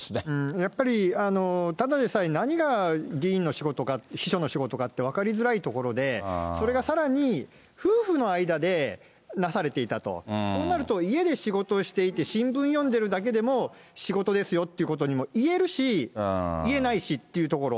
やっぱりただでさえ、何が議員の仕事か、秘書の仕事かって分かりづらいところで、それがさらに夫婦の間でなされていたと、そうなると、家で仕事をしていて新聞読んでるだけでも、仕事ですよっていうことにも言えるし、言えないしっていうところ。